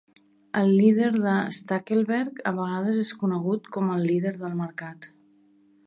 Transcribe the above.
El líder de Stackelberg a vegades és conegut com el líder del mercat.